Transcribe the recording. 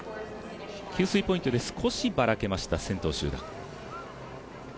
給水ポイントで少しばらけました先頭集団。